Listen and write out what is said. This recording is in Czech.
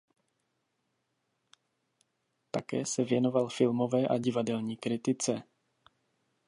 Také se věnoval filmové a divadelní kritice.